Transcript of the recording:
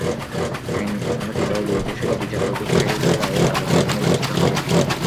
আইনি প্রশ্নটা কীভাবে জড়িত, সেটা বিচারপতি খায়রুলের রায়ের আলোকে আমাদের বুঝতে হবে।